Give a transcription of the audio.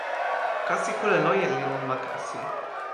kasi kule loje li lon ma kasi.